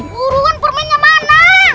buruan permennya mana